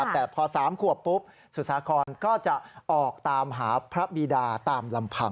แต่พอ๓ขวบปุ๊บสุสาครก็จะออกตามหาพระบีดาตามลำพัง